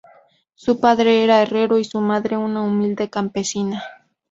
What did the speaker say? Su padre era herrero y su madre una humilde campesina.